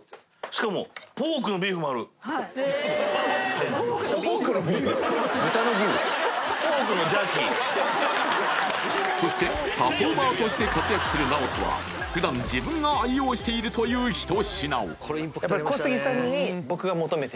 ここでそしてパフォーマーとして活躍するＮＡＯＴＯは普段自分が愛用しているという一品をはいえっ？